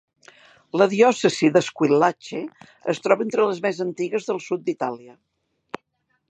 La diòcesi de Squillace es troba entre les més antigues del sud d'Itàlia.